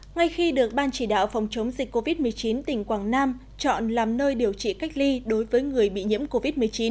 ngay khi được ban chỉ đạo phòng chống dịch covid một mươi chín tỉnh quảng nam chọn làm nơi điều trị cách ly đối với người bị nhiễm covid một mươi chín